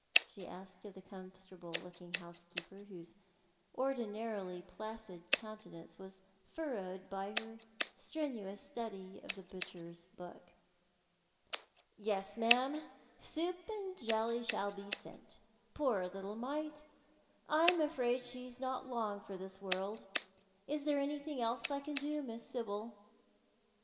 she asked of the comfortable looking housekeeper, whose ordinarily placid countenance was furrowed by her strenuous study of the butcher's book. " Yes, ma'am, soup and jelly shall be sent. Poor little mite, I'm afraid she's not long for this world. Is there anything else I can do, Miss Sibyl